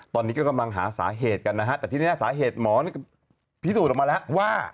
ตอนนี้ก็กำลังหาสาเหตุกันนะฮะแต่ทีนี้สาเหตุหมอนี่พิสูจน์ออกมาแล้วว่า